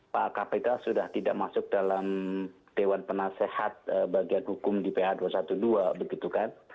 pak kpk sudah tidak masuk dalam dewan penasehat bagian hukum di ph dua ratus dua belas begitu kan